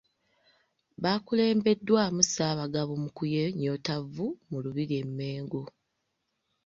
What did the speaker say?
Bakulembeddwamu Ssaabagabo Mukuye Nyotavvu mu Lubiri e Mmengo.